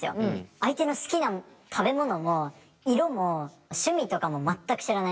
相手の好きな食べ物も色も趣味とかも全く知らない。